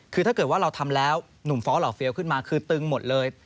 คือถ้าเกิดว่าเราทำแล้วหนุ่มฟ้อเหล่าเฟี้ยวขึ้นมาคือตึงหมดเลย